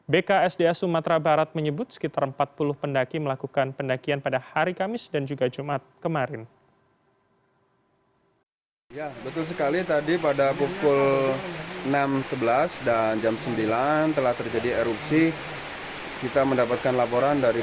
bksda sumatera barat menyebut sekitar empat puluh pendaki berada di gunung saat erupsi ini terjadi